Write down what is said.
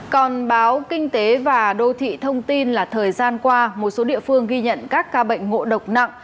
còn báo kinh tế và đô thị thông tin là thời gian qua một số địa phương ghi nhận các ca bệnh ngộ độc nặng